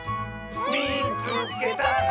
「みいつけた！」。